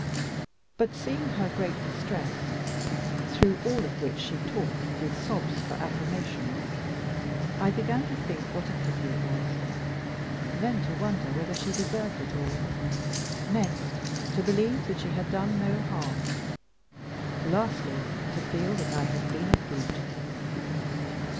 But seeing her great distress (through all of which she talked, with sobs for affirmations), I began to think what a pity it was; then to wonder whether she deserved it all; next, to believe that she had done no harm; lastly, to feel that I had been a brute.